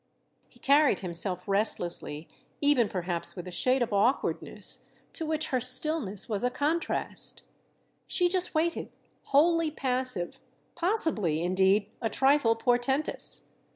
He carried himself restlessly even perhaps with a shade of awkwardness, to which her stillness was a contrast; she just waited, wholly passive—possibly indeed a trifle portentous.